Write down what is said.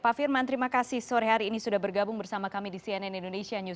pak firman terima kasih sore hari ini sudah bergabung bersama kami di cnn indonesia newsro